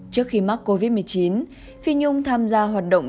trước khi mắc covid một mươi chín phi nhung tham gia hoạt động